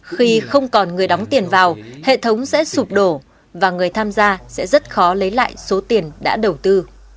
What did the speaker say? khi không còn người đóng tiền vào hệ thống sẽ sụp đổ và người tham gia sẽ rất khó lấy lại số tiền đã đầu tư